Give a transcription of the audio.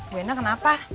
bu endang kenapa